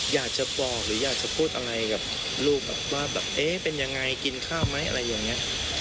อยากจะบอกหรืออยากจะพูดอะไรกับลูกแบบว่าแบบเอ๊ะเป็นยังไงกินข้าวไหมอะไรอย่างนี้